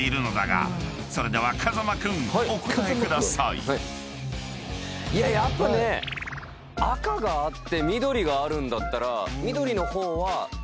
［それでは風間君お答えください］いややっぱね赤があって緑があるんだったら。